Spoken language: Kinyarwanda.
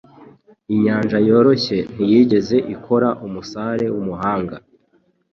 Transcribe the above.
Inyanja yoroshye ntiyigeze ikora umusare w'umuhanga.